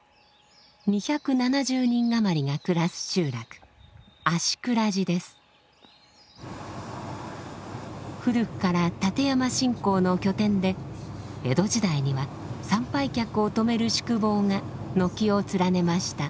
２７０人余りが暮らす集落古くから立山信仰の拠点で江戸時代には参拝客を泊める宿坊が軒を連ねました。